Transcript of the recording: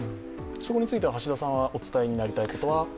そこについては橋田さんはお伝えになりたいことは？